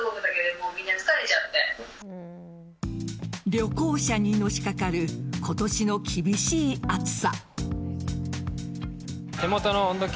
旅行者にのしかかる今年の厳しい暑さ。